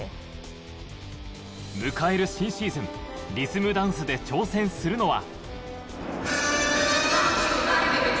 迎える新シーズンリズムダンスで挑戦するのは